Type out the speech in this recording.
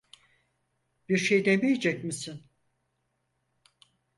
Bir şey demeyecek misin?